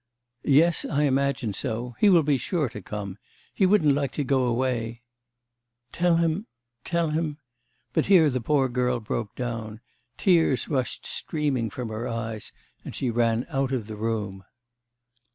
'Yes, I imagine so; he will be sure to come. He wouldn't like to go away ' 'Tell him, tell him ' But here the poor girl broke down; tears rushed streaming from her eyes, and she ran out of the room.